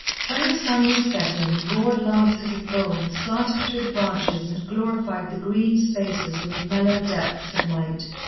When the sun was setting, broad lances of gold slanted through the branches and glorified the green spaces with mellow depths of light.